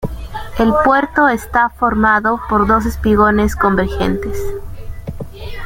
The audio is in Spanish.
El puerto está formado por dos espigones convergentes.